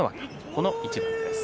この一番です。